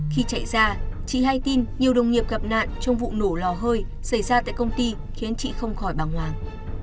khi chạy ra chị hay tin nhiều đồng nghiệp gặp nạn trong vụ nổ lò hơi xảy ra tại công ty khiến chị không khỏi bàng hoàng